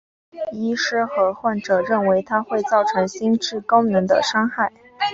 医师和患者认为它会造成心智功能的伤害。